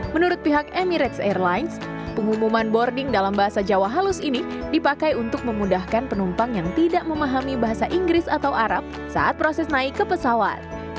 menurut pihak emirates airlines pengumuman boarding dalam bahasa jawa halus ini dipakai untuk memudahkan penumpang yang tidak memahami bahasa inggris atau arab saat proses naik ke pesawat